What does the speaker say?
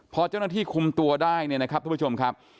พอเจ้าหน้าที่คุมตัวได้เนี่ยนะครับทุกผู้ชมครับ